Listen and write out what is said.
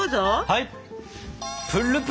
はい！